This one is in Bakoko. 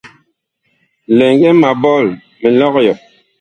Lɛŋgɛ ma bɔɔl mi lɔg yɔ.